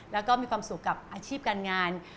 แล้วก็มีความสุขกับอาชีพการงาน